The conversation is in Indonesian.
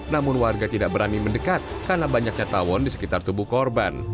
namun warga tidak berani mendekat karena banyaknya tawon di sekitar tubuh korban